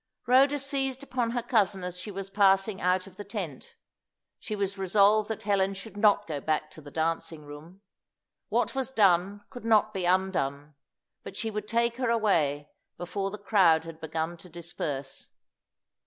Rhoda seized upon her cousin as she was passing out of the tent. She was resolved that Helen should not go back to the dancing room. What was done could not be undone. But she would take her away before the crowd had begun to disperse.